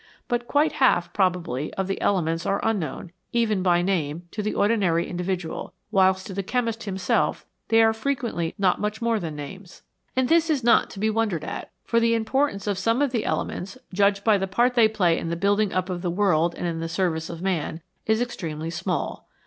But quite half, probably, of the elements are unknown, even by name, to the ordinary individual, whilst to the chemist himself they are frequently not much more than names. And this is not to be wondered at ; for the importance of some of the elements, judged by the part they play in the building up of the world and in the service of man, is extremely small.